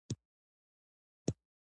کاناډا الوتکې هم جوړوي.